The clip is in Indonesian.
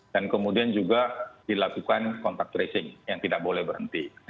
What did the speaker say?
dan kemudian juga dilakukan kontak tracing yang tidak boleh berhenti